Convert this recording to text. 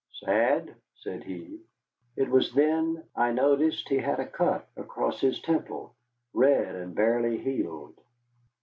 "Sad?" said he. It was then I noticed that he had a cut across his temple, red and barely healed.